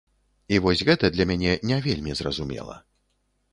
І вось гэта для мяне не вельмі зразумела.